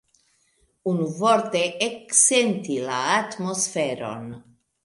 Unuvorte, eksenti la atmosferon.